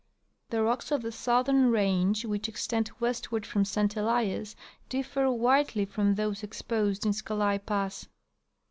The rocks of the southern range which extends westward from St Elias differ widely from those exposed in Scolai pass..